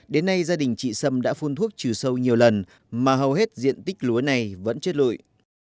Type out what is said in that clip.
đến nay gia đình chị sâm đã phun thuốc trừ sâu nhiều lần mà hầu hết diện tích lúa này vẫn chết lụi